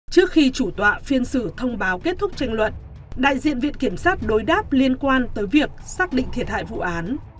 trước khi chủ tọa phiên xử thông báo kết thúc tranh luận đại diện viện kiểm sát đối đáp liên quan tới việc xác định thiệt hại vụ án